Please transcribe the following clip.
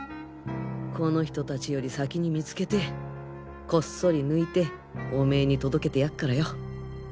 この人達より先に見つけてこっそり抜いてオメーに届けてやっからよ！